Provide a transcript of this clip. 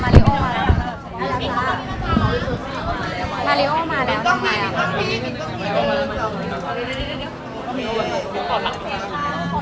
อันนี้มันเป็นอันนที่เกี่ยวกับเมืองที่เราอยู่ในประเทศอเมริกา